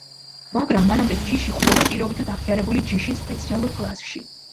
მაგრამ მანამდე ჯიში ხვდება პირობითად აღიარებული ჯიშის სპეციალურ კლასში.